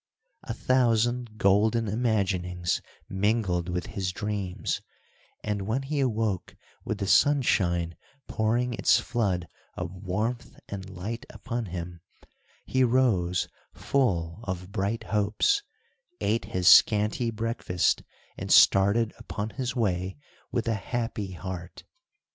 A thousand golden imaginings mingled with his dreams, and, when he awoke with the sunshine pouring its flood of warmth and light upon him, he rose full of bright hopes, ate his scanty breakfast, and started upon his way with a happy heart.